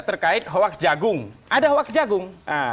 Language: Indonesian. terkait hoax jagung ada hoax jagung